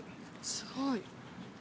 すごい。